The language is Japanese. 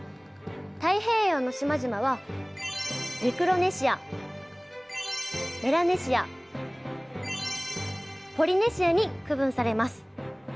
太平洋の島々はミクロネシアメラネシアポリネシアに区分されます。